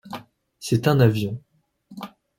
C'est un avion.